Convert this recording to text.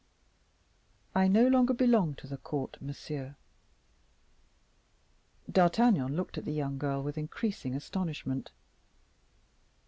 "I no longer belong to the court, monsieur." D'Artagnan looked at the young girl with increasing astonishment.